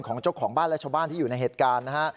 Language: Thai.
ของเจ้าของบ้านและชาวบ้านที่อยู่ในเหตุการณ์นะฮะ